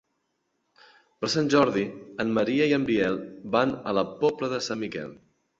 Per Sant Jordi en Maria i en Biel van a la Pobla de Sant Miquel.